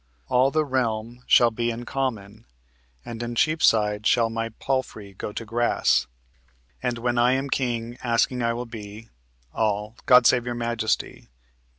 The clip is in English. All the realm shall be in common, and in Cheapside shall my palfrey go to grass. And when I am king asking I will be All. God save your majesty!